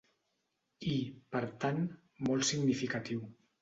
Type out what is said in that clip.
I, per tant, molt significatiu.